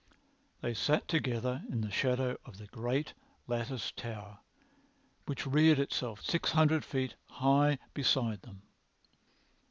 They sat together in the shadow of the great latticed Tower which reared itself six hundred feet high beside them.